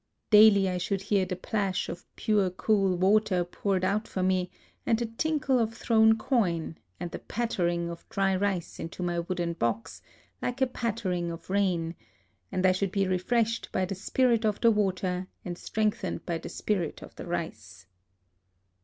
Daily I should hear the plash of pure cool water poured out for me, and the tinkle of thrown coin, and the pattering of dry rice into my wooden box, like a pattering of rain ; and I should be refreshed by the spirit of the water, and strengthened by the spirit of the rice.